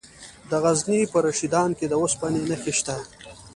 د غزني په رشیدان کې د اوسپنې نښې شته.